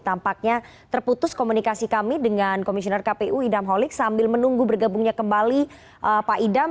tampaknya terputus komunikasi kami dengan komisioner kpu idam holik sambil menunggu bergabungnya kembali pak idam